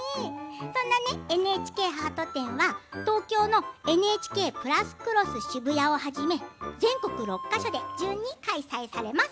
そんなＮＨＫハート展は東京のＮＨＫプラスクロスＳＨＩＢＵＹＡをはじめ全国６か所で順に開催されます。